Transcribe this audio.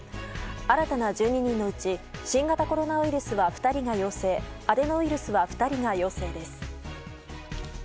新たな１２人のうち新型コロナウイルスは２人が陽性アデノウイルスは２人が陽性です。